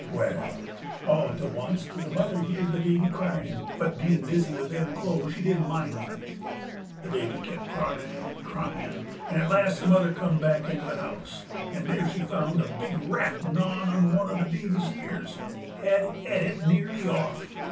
Wall, all to oncet the mother heerd the baby cryin', but bein' busy with them clo'es she didn't mind much. The baby kep' cryin' 'nd cryin', 'nd at last the mother come back into the house, 'nd there she found a big rat gnawin' at one uv the baby's ears, had e't it nearly off!